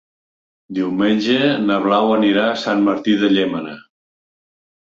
Diumenge na Blau anirà a Sant Martí de Llémena.